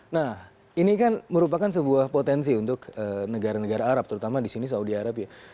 nah ini kan merupakan sebuah potensi untuk negara negara arab terutama di sini saudi arabia